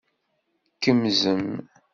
Tkemzem.